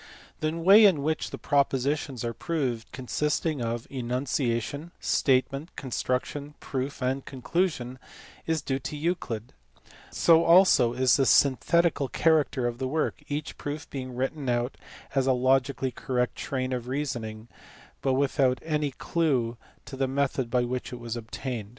The way in which the propositions are proved, consisting of enunciation, statement, construction, proof, and conclusion, is due to Euclid: so also is the synthetical character of the work, each proof being written out as a logically correct train of reasoning but without any clue to the method by which it was obtained.